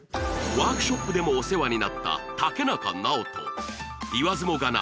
ワークショップでもお世話になった竹中直人言わずもがな